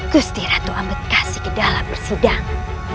gusti ratu ambedkasi ke dalam persidang